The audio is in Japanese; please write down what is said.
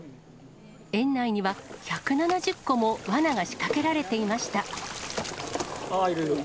園内には、１７０個もわなが仕掛けられていました。